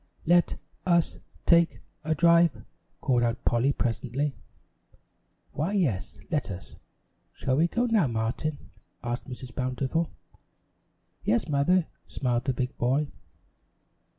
"Let us take a drive," called out Polly presently. "Why, yes, let us. Shall we go now, Martin?" asked Mrs. Bountiful. "Yes, Mother," smiled the big boy.